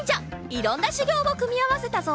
いろんなしゅぎょうをくみあわせたぞ。